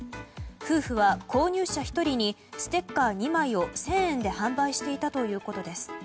夫婦は購入者１人にステッカー２枚を１０００円で販売していたということです。